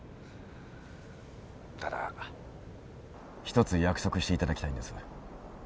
ただ一つ約束していただきたいんです。